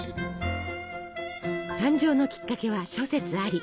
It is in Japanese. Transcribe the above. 誕生のきっかけは諸説あり。